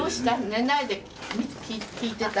寝ないで聴いてた？